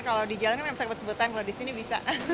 kalau di jalan kan gak bisa ngebut ngebutan kalau di sini bisa